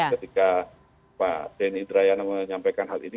ketika pak denny indrayana menyampaikan hal ini